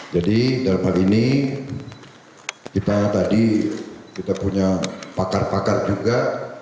jadi dalam hal ini kita punya pakar pakar juga